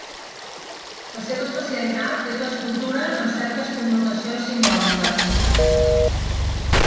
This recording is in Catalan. La seva especialitat és l'escultura amb certes connotacions simbòliques.